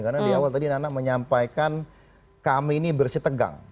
karena di awal tadi nana menyampaikan kami ini bersitegang